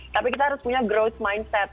tapi kita harus punya growth mindset